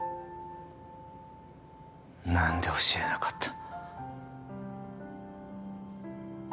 何で教えなかった？